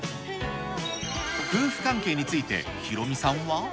夫婦関係について、ヒロミさんは。